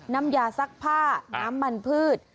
น้ำยาซักผ้าน้ำมันพืช